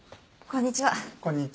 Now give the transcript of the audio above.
こんにちは。